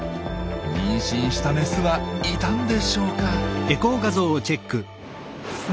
妊娠したメスはいたんでしょうか？